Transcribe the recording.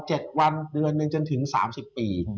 การร่างด้วยโปรดจากเล่นหนึ่งจนถึง๓๐ปี